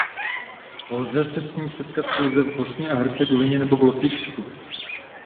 Lze se s ní setkat pouze v Bosně a Hercegovině nebo Lotyšsku.